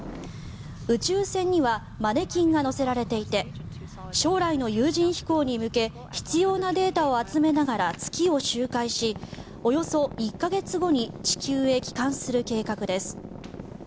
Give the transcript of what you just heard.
宇宙船にはマネキンが載せられていて将来の有人飛行に向け必要なデータを集めながら月を周回しおよそ１か月後に地球へ帰還する計画です。